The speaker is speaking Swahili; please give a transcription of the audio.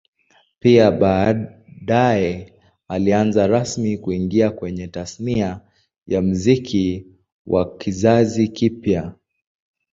Pia baadae alianza rasmi kuingia kwenye Tasnia ya Muziki wa kizazi kipya